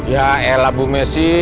ya elah bu messi